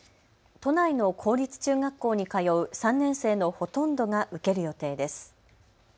都内の公立中学校に通う３年生のほとんどが受ける予定です。